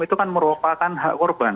itu kan merupakan hak korban